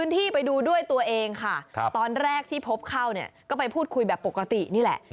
ตอนแรกที่พบเข้าเนี่ยก็ไปพูดคุยแบบปกตินี่แหละ